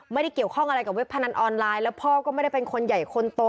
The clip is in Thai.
ไม่ได้เกี่ยวข้องอะไรกับเว็บพนันออนไลน์แล้วพ่อก็ไม่ได้เป็นคนใหญ่คนโต